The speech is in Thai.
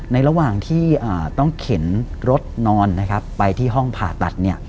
ระหว่างที่ต้องเข็นรถนอนนะครับไปที่ห้องผ่าตัด